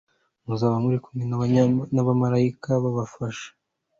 muzaba muri kumwe n'abamaraika babafasha.